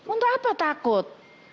untuk apa takut